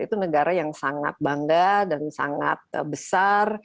itu negara yang sangat bangga dan sangat besar